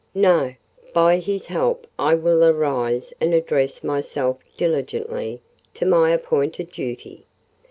"No; by His help I will arise and address myself diligently to my appointed duty.